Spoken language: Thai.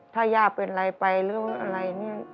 ถ้าย่าเป็นอะไรไปหรืออะไรเนี่ย